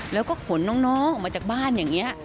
แล้วก็ขนน้องออกมาจากบ้านอย่างนี้